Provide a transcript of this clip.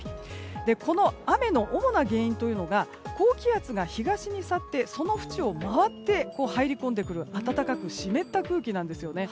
この雨の主な原因というのが高気圧が東に去ってそのふちを回って入り込んでくる暖かく湿った空気なんですね。